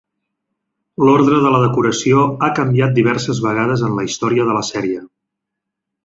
L'ordre de la decoració ha canviat diverses vegades en la història de la sèrie.